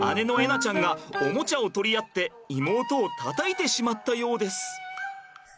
菜ちゃんがおもちゃを取り合って妹をたたいてしまったようです。